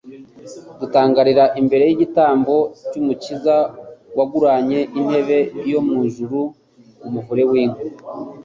Dutangarira imbere y'igitambo cy'Umukiza waguranye intebe yo mu ijuru umuvure w'inka;